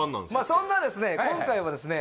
そんなですね今回はですね